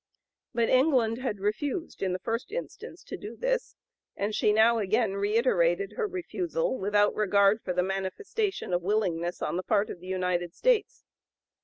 But England had refused, in the first instance, to do this, and she now again reiterated her refusal without regard for the manifestation of willingness on the part of the United States.